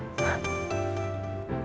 sumpah ya bener benernya orang